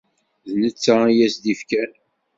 D netta i as d-ifkan